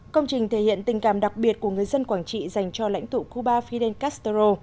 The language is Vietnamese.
công trình thể hiện tình cảm đặc biệt của người dân quảng trị dành cho lãnh tụ cuba fidel castro